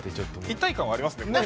一体感はありますね。